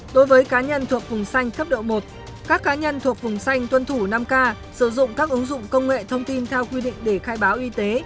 đối với cá nhân thuộc vùng xanh cấp độ một các cá nhân thuộc vùng xanh tuân thủ năm k sử dụng các ứng dụng công nghệ thông tin theo quy định để khai báo y tế